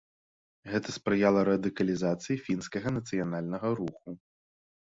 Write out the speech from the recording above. Гэта спрыяла радыкалізацыі фінскага нацыянальнага руху.